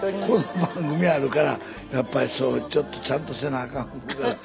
この番組あるからやっぱりそうちょっとちゃんとせなあかん。